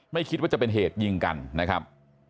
ไม่คิดว่าจะเป็นเหตุยิงกันนะครับ